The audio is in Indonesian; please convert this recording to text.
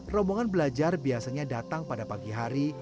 rombongan belajar biasanya datang pada pagi hari